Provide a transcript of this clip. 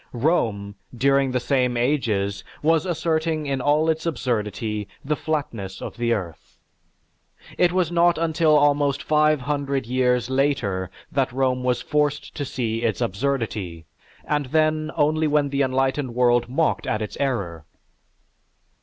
Rome, during the same ages, was asserting in all its absurdity the flatness of the earth. It was not until almost five hundred years later that Rome was forced to see its absurdity and then only when the enlightened world mocked at its error.